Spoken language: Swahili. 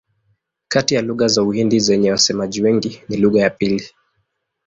Kati ya lugha za Uhindi zenye wasemaji wengi ni lugha ya pili.